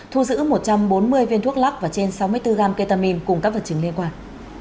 thu giữ một trăm bốn mươi viên thuốc lắc và trên sáu mươi bốn gram ketamin cùng các vật chứng liên quan